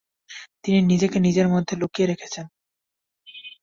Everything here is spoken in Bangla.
তিনি নিজেকে নিজের ভিতর লুকিয়ে রেখেছেন।